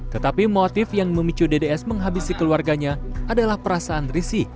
tetapi motif yang memicu dds menghabisi keluarganya adalah perasaan risih